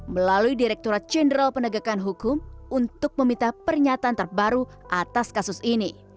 melalui direkturat jenderal penegakan hukum untuk meminta pernyataan terbaru atas kasus ini